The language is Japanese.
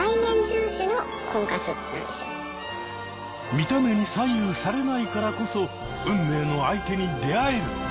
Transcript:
見た目に左右されないからこそ運命の相手に出会える！